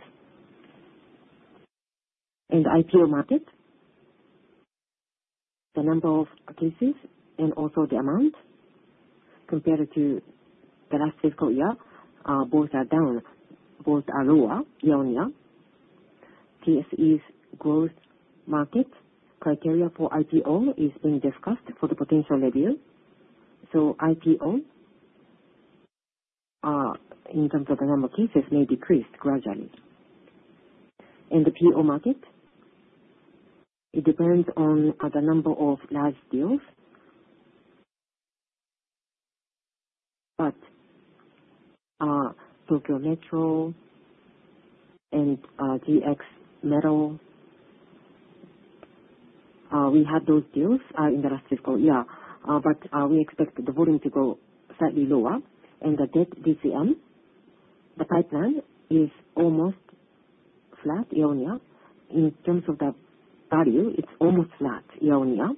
IPO market, the number of cases and also the amount compared to the last fiscal year, both are down, both are lower year on year. Tokyo Stock Exchange's growth market criteria for IPO is being discussed for the potential revenue. IPO, in terms of the number of cases, may decrease gradually. The PO market depends on the number of large deals. Tokyo Metro and JX Metal, we had those deals in the last fiscal year. We expect the volume to go slightly lower. The debt DCM pipeline is almost flat year on year. In terms of the value, it is almost flat year on year.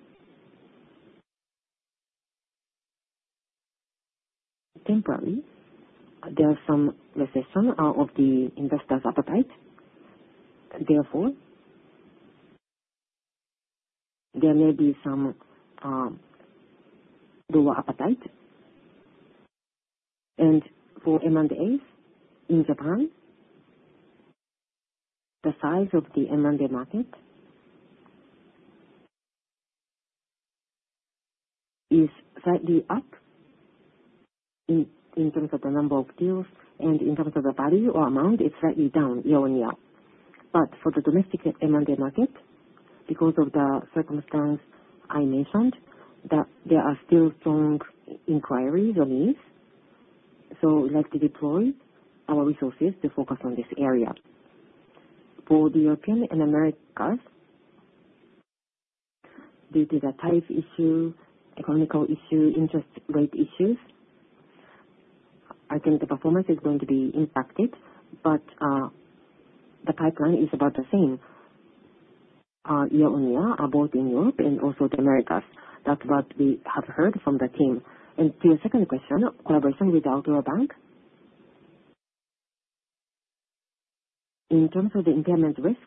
Temporarily, there is some recession of the investor's appetite. Therefore, there may be some lower appetite. For M&As in Japan, the size of the M&A market is slightly up in terms of the number of deals. In terms of the value or amount, it is slightly down year on year. For the domestic M&A market, because of the circumstances I mentioned, there are still strong inquiries or needs. We would like to deploy our resources to focus on this area. For Europe and the Americas, due to the tax issue, economic issue, interest rate issues, I think the performance is going to be impacted. The pipeline is about the same year on year, both in Europe and also the Americas. That is what we have heard from the team. To your second question, collaboration with Aozora Bank. In terms of the impairment risk,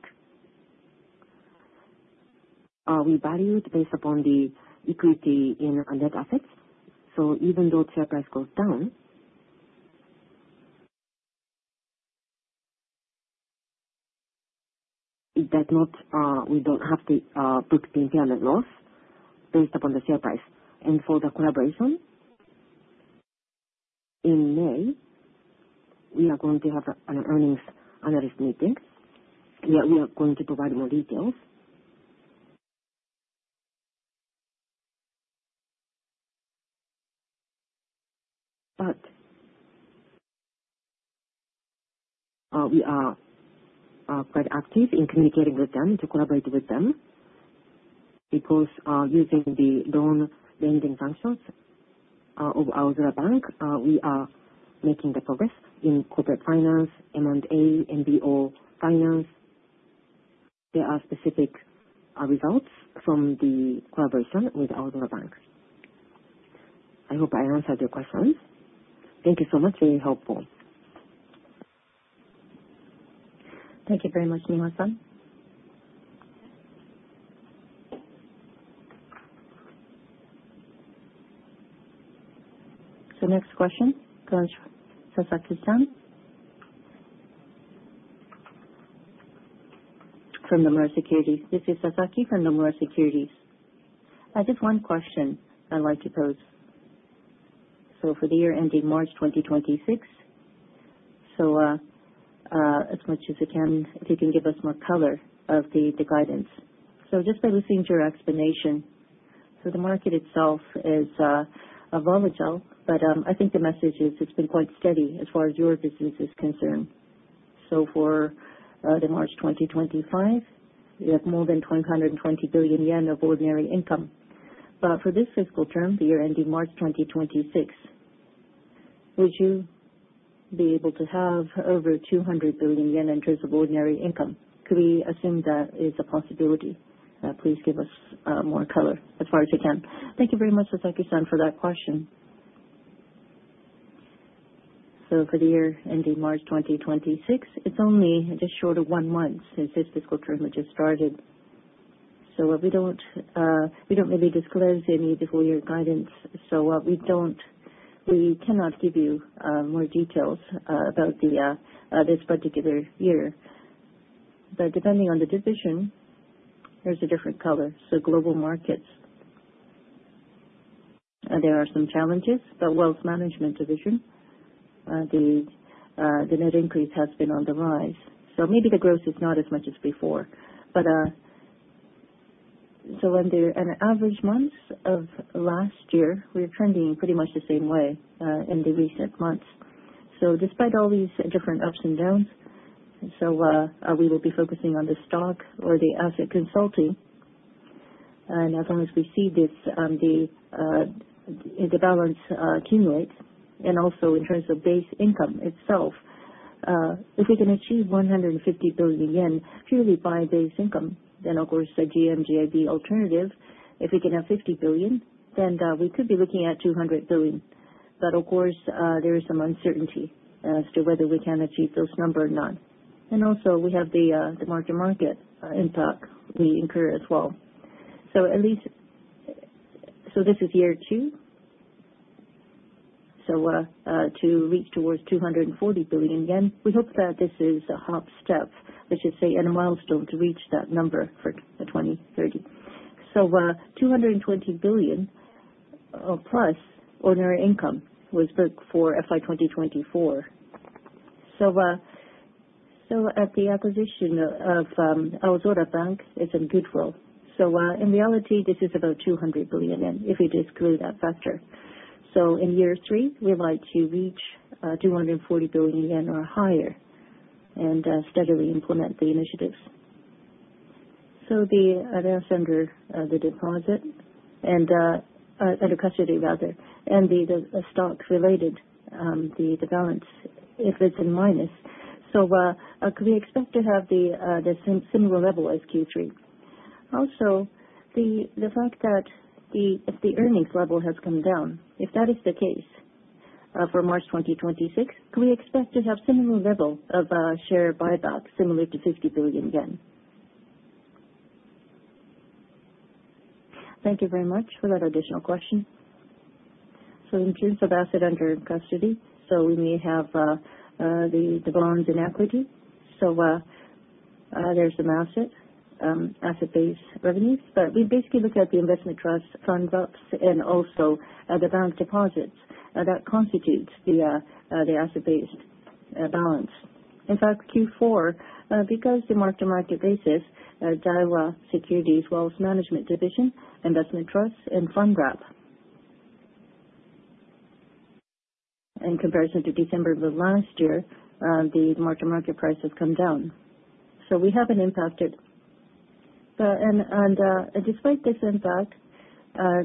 we value it based upon the equity in net assets. Even though share price goes down, we do not have to book the impairment loss based upon the share price. For the collaboration, in May, we are going to have an earnings analyst meeting. We are going to provide more details. We are quite active in communicating with them to collaborate with them because using the loan lending functions of Aozora Bank, we are making progress in corporate finance, M&A, MBO finance. There are specific results from the collaboration with Aozora Bank. I hope I answered your questions. Thank you so much. Very helpful. Thank you very much, Ms. Yua. Next question, Sasaki-san from Nomura Securities. This is Sasaki from Nomura Securities. I just have one question I'd like to pose. For the year ending March 2026, as much as you can, if you can give us more color of the guidance. Just by listening to your explanation, the market itself is volatile. I think the message is it's been quite steady as far as your business is concerned. For the March 2025, you have more than 120 billion yen of ordinary income. For this fiscal term, the year ending March 2026, would you be able to have over 200 billion yen in terms of ordinary income? Could we assume that is a possibility? Please give us more color as far as you can. Thank you very much, Sasaki-san, for that question. For the year ending March 2026, it is only just short of one month since this fiscal term has just started. We do not really disclose any of the full year guidance. We cannot give you more details about this particular year. Depending on the division, there is a different color. Global markets, there are some challenges. Wealth management division, the net increase has been on the rise. Maybe the growth is not as much as before. In the average months of last year, we were trending pretty much the same way in the recent months. Despite all these different ups and downs, we will be focusing on the stock or the asset consulting. As long as we see this, the balance accumulates. Also, in terms of base income itself, if we can achieve 150 billion yen purely by base income, then of course the GM, GIB alternative, if we can have 50 billion, then we could be looking at 200 billion. Of course, there is some uncertainty as to whether we can achieve those numbers or not. Also, we have the market-to-market impact we incur as well. This is year two. To reach towards 240 billion yen, we hope that this is a hop step, which is a milestone to reach that number for 2030. hundred twenty billion plus ordinary income was booked for FY 2024. At the acquisition of Aozora Bank, it is in good flow. In reality, this is about 200 billion yen if we disclose that factor. In year three, we would like to reach 240 billion yen or higher and steadily implement the initiatives. The asset under the deposit and under custody, rather, and the stock-related, the balance, if it is in minus. Could we expect to have the similar level as Q3? Also, the fact that the earnings level has come down, if that is the case for March 2026, could we expect to have a similar level of share buyback, similar to 50 billion yen? Thank you very much for that additional question. In terms of asset under custody, we may have the bonds in equity. There is some asset-based revenues. We basically look at the investment trust, funds ops, and also the bank deposits that constitute the asset-based balance. In fact, Q4, because the mark-to-market basis, Daiwa Securities Wealth Management Division, investment trusts, and funds ops. In comparison to December of last year, the mark-to-market price has come down. We have not impacted. Despite this impact,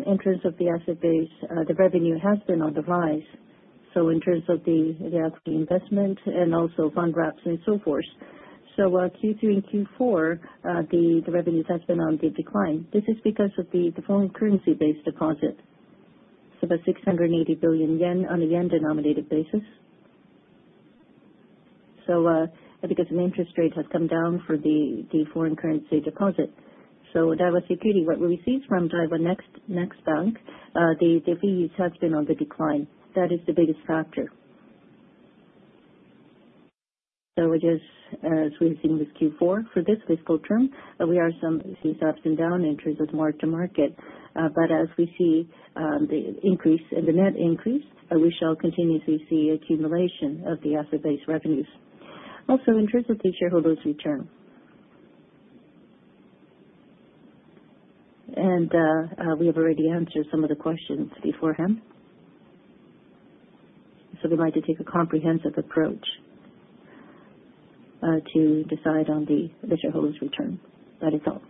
in terms of the asset-based, the revenue has been on the rise. In terms of the equity investment and also funds ops and so forth. Q3 and Q4, the revenues have been on the decline. This is because of the foreign currency-based deposit. About 680 billion yen on a yen-denominated basis. Because the interest rate has come down for the foreign currency deposit. Daiwa Securities, what we received from Daiwa Next Bank, the fees have been on the decline. That is the biggest factor. Just as we have seen with Q4 for this fiscal term, we are seeing some ups and downs in terms of mark-to-market. As we see the increase in the net increase, we shall continuously see accumulation of the asset-based revenues. Also, in terms of the shareholders' return. We have already answered some of the questions beforehand. We would like to take a comprehensive approach to decide on the shareholders' return. That is all.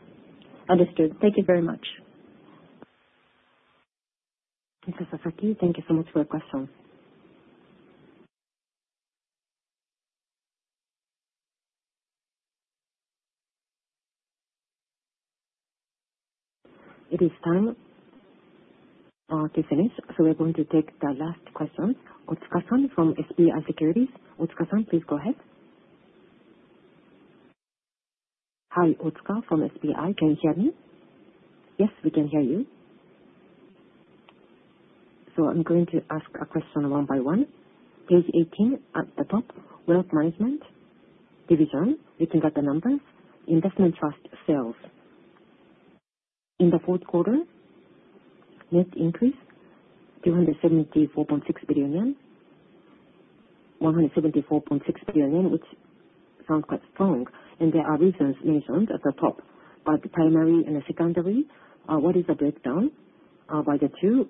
Understood. Thank you very much. Thank you, Sasaki. Thank you so much for your question. It is time to finish. We are going to take the last question. Otsuka-san from SBI Securities. Otsuka-san, please go ahead. Hi, Otsuka from SBI. Can you hear me? Yes, we can hear you. I am going to ask a question one by one. Page 18 at the top, Wealth Management Division, looking at the numbers, investment trust sales. In the fourth quarter, net increase, 274.6 billion yen. 174.6 billion yen, which sounds quite strong. There are reasons mentioned at the top. The primary and the secondary, what is the breakdown by the two?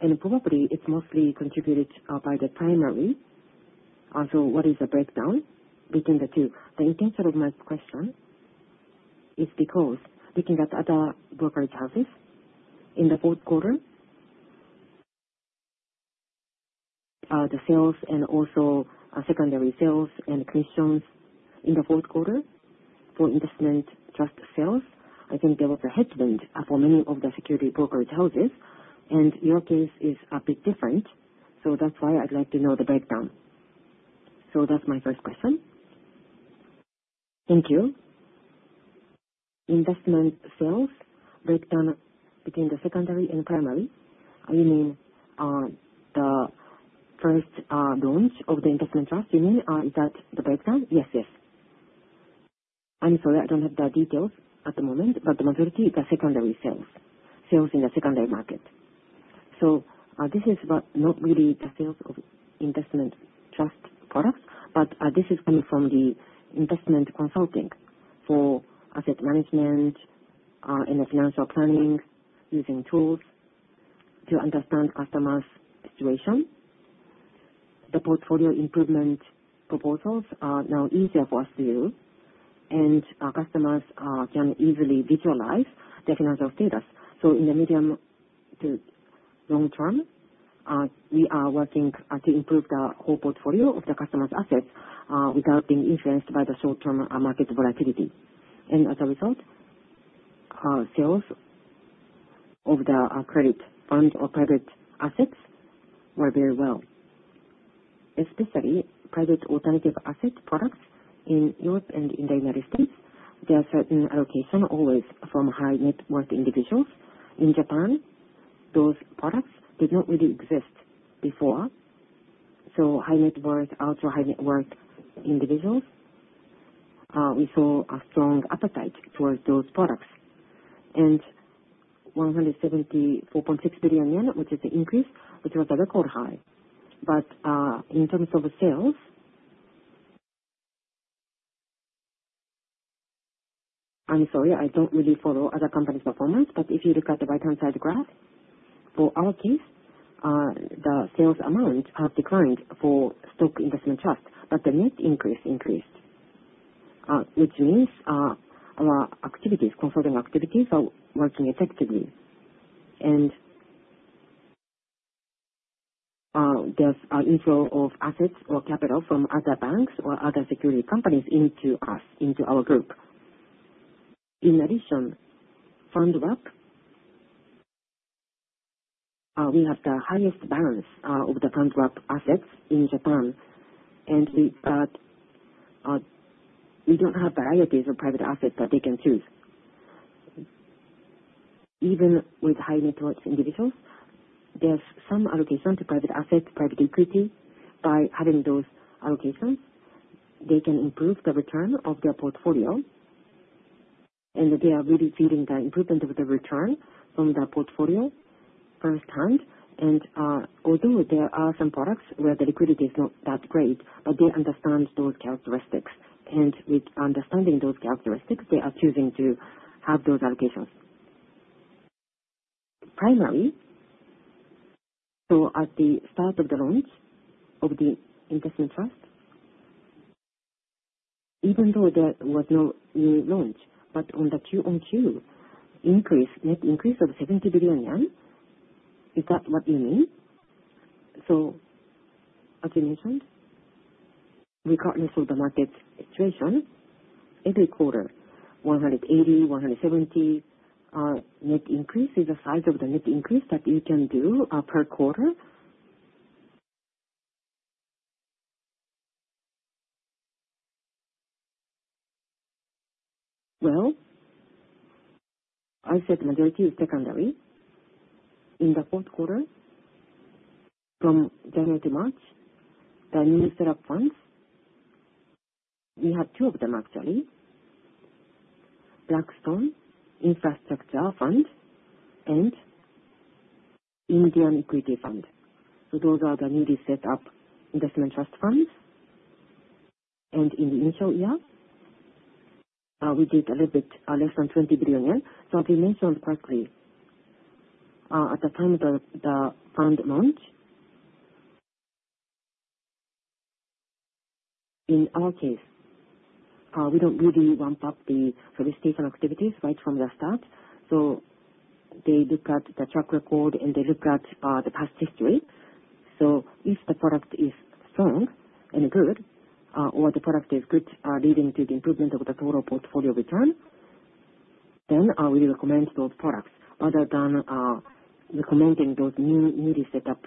It is probably mostly contributed by the primary. What is the breakdown between the two? The intention of my question is because looking at other brokerage houses, in the fourth quarter, the sales and also secondary sales and commissions in the fourth quarter for investment trust sales, I think there was a headwind for many of the security brokerage houses. In your case it is a bit different. That is why I would like to know the breakdown. That is my first question. Thank you. Investment sales, breakdown between the secondary and primary. You mean the first launch of the investment trust, you mean? Is that the breakdown? Yes, yes. I'm sorry, I don't have the details at the moment. The majority is the secondary sales, sales in the secondary market. This is not really the sales of investment trust products. This is coming from the investment consulting for asset management and the financial planning, using tools to understand customers' situation. The portfolio improvement proposals are now easier for us to do. Customers can easily visualize their financial status. In the medium to long term, we are working to improve the whole portfolio of the customers' assets without being influenced by the short-term market volatility. As a result, sales of the credit fund or private assets were very well. Especially private alternative asset products in Europe and in the United States, there are certain allocations always from high-net-worth individuals. In Japan, those products did not really exist before. High-net-worth, ultra-high-net-worth individuals, we saw a strong appetite towards those products. 174.6 billion yen, which is the increase, which was a record high. In terms of sales, I'm sorry, I don't really follow other companies' performance. If you look at the right-hand side graph, for our case, the sales amounts have declined for stock investment trust. The net increase increased, which means our consulting activities are working effectively. There is an inflow of assets or capital from other banks or other security companies into our group. In addition, funds ops, we have the highest balance of the funds ops assets in Japan. We don't have varieties of private assets that they can choose. Even with high-net-worth individuals, there's some allocation to private assets, private equity. By having those allocations, they can improve the return of their portfolio. They are really feeling the improvement of the return from the portfolio firsthand. Although there are some products where the liquidity is not that great, they understand those characteristics. With understanding those characteristics, they are choosing to have those allocations. Primary, at the start of the launch of the investment trust, even though there was no launch, but on the Q1Q increase, net increase of 70 billion yen, is that what you mean? As you mentioned, regardless of the market situation, every quarter, 180 billion, 170 billion, net increase is the size of the net increase that you can do per quarter. I said the majority is secondary. In the fourth quarter, from January to March, the new setup funds, we have two of them actually, Blackstone Infrastructure Fund and Indian Equity Fund. Those are the newly set up investment trust funds. In the initial year, we did a little bit less than 20 billion yen. As we mentioned quickly, at the time of the fund launch, in our case, we do not really ramp up the solicitation activities right from the start. They look at the track record and they look at the past history. If the product is strong and good, or the product is good leading to the improvement of the total portfolio return, then we recommend those products other than recommending those newly set up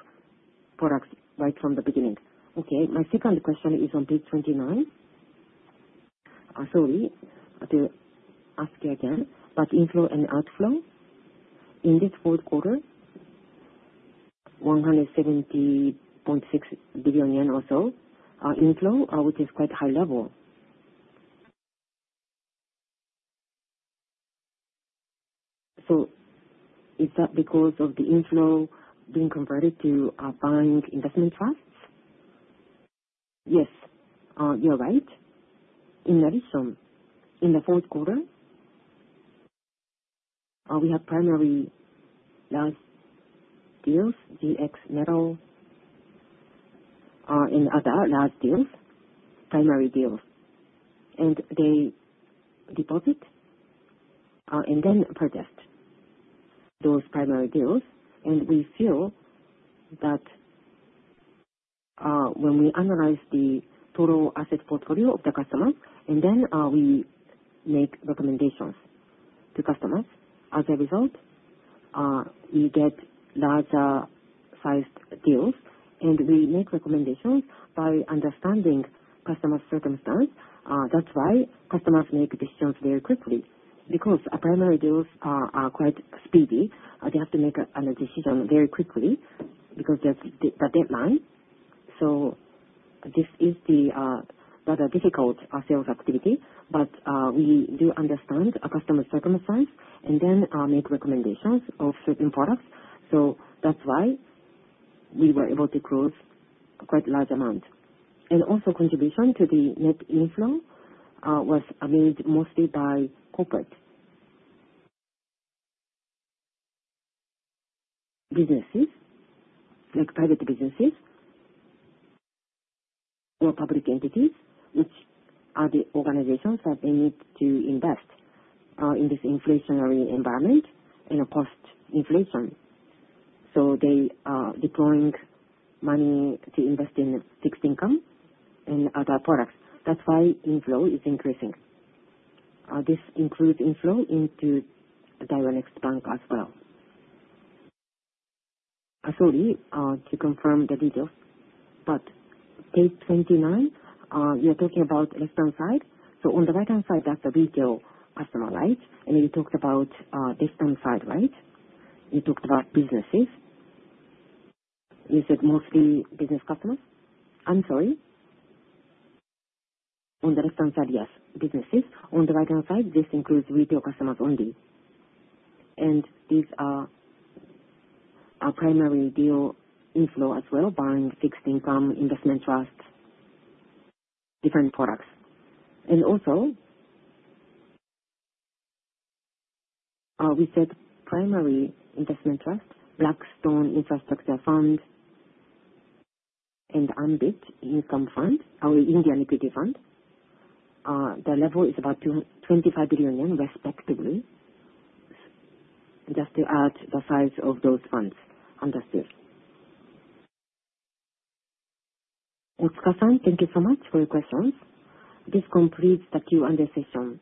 products right from the beginning. My second question is on page 29. Sorry to ask you again, but inflow and outflow in this fourth quarter, 170.6 billion yen or so inflow, which is quite high level. Is that because of the inflow being converted to buying investment trusts? Yes, you are right. In addition, in the fourth quarter, we have primary large deals, JX Metal, and other large deals, primary deals. They deposit and then purchase those primary deals. We feel that when we analyze the total asset portfolio of the customer, and then we make recommendations to customers. As a result, we get larger-sized deals. We make recommendations by understanding customers' circumstances. That is why customers make decisions very quickly. Because primary deals are quite speedy, they have to make a decision very quickly because there is the deadline. This is the rather difficult sales activity. We do understand customers' circumstances and then make recommendations of certain products. That is why we were able to close quite a large amount. Also, contribution to the net inflow was made mostly by corporate businesses, like private businesses or public entities, which are the organizations that they need to invest in this inflationary environment and post-inflation. They are deploying money to invest in fixed income and other products. That is why inflow is increasing. This includes inflow into Daiwa Next Bank as well. Sorry to confirm the details. Page 29, you are talking about left-hand side. On the right-hand side, that is the retail customer line. We talked about left-hand side, right? We talked about businesses. You said mostly business customers? Sorry. On the left-hand side, yes, businesses. On the right-hand side, this includes retail customers only. These are primary deal inflow as well, buying fixed income, investment trusts, different products. Also, we said primary investment trust, Blackstone Infrastructure Fund, and Ambit Income Fund, our Indian equity fund. The level is about 25 billion yen respectively. Just to add the size of those funds. Understood. Otsuka-san, thank you so much for your questions. This completes the Q&A session.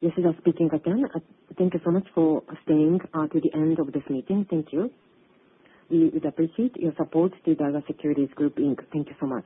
This is us speaking again. Thank you so much for staying to the end of this meeting. Thank you. We would appreciate your support to Daiwa Securities Group Inc. Thank you so much.